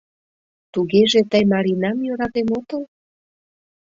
Тугеже тый Маринам йӧратен отыл?